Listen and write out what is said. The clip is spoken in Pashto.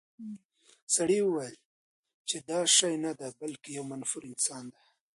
سړي وویل چې دا څه شی نه دی، بلکې یو منفور انسان دی.